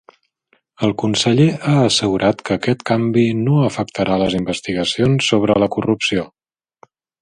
El conseller ha assegurat que aquest canvi no afectarà les investigacions sobre la corrupció.